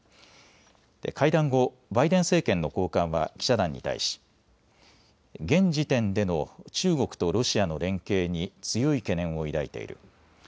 会談後、バイデン政権の高官は記者団に対し現時点での中国とロシアの連携に強い懸念を抱いている。